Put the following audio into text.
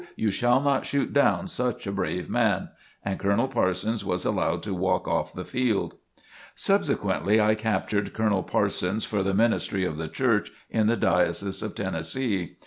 you shall not shoot down such a brave man!" And Colonel Parsons was allowed to walk off the field. Subsequently I captured Colonel Parsons for the ministry of the Church in the Diocese of Tennessee.